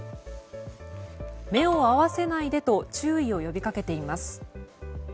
目を合わさないでと注意を呼び掛けています。